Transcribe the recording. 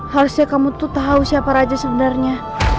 harusnya kamu tuh tahu siapa raja sebenarnya